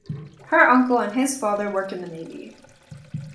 Her uncle and his father worked in the Navy.